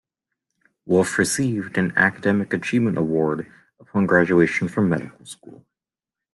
Wolf received an Academic Achievement Award upon graduation from medical school.